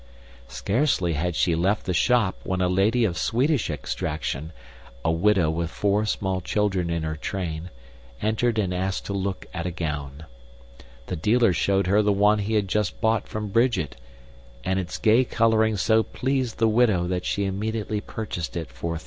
Scarcely had she left the shop when a lady of Swedish extraction a widow with four small children in her train entered and asked to look at a gown. The dealer showed her the one he had just bought from Bridget, and its gay coloring so pleased the widow that she immediately purchased it for $3.65.